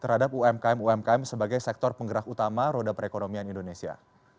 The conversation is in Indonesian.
terutama juga bagaimana mendukung proses digitalisasi terhadap umkm umkm sebagai sektor penggerak utama ronda perekonomian indonesia